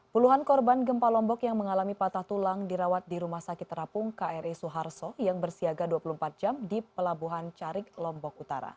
puluhan korban gempa lombok yang mengalami patah tulang dirawat di rumah sakit terapung kri suharto yang bersiaga dua puluh empat jam di pelabuhan carik lombok utara